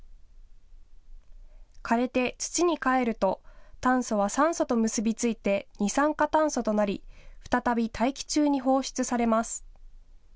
枯れて土に返ると炭素は酸素と結び付いて二酸化炭素となり再び大気中に放出されます。